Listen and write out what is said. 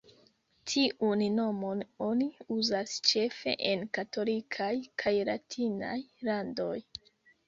Tiun nomon oni uzas ĉefe en katolikaj kaj latinaj landoj.